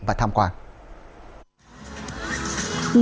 và tham gia chương trình